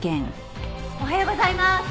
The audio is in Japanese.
おはようございます。